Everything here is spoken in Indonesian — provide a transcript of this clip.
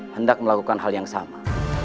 hendak melakukan hal yang sama